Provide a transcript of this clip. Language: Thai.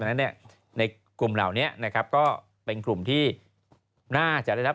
นั้นเนี่ยในกลุ่มเหล่านี้นะครับก็เป็นกลุ่มที่น่าจะได้รับ